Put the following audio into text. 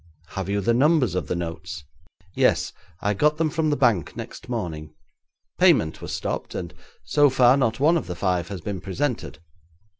'Have you the numbers of the notes?' 'Yes; I got them from the Bank next morning. Payment was stopped, and so far not one of the five has been presented.